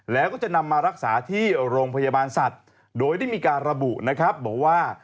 แล้วก็จะนำมารักษาที่โรงพยาบาลสัตว์โดยได้มีการระบุนะครับบอกว่า